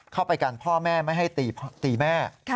เข้าไปกันพ่อแม่ไม่ให้ตีแม่